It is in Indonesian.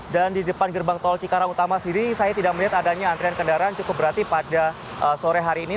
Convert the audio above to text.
dan di depan gerbang tol cikarang utama sendiri saya tidak melihat adanya antrian kendaraan cukup berarti pada sore hari ini